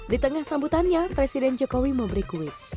di tengah sambutannya presiden jokowi memberi kuis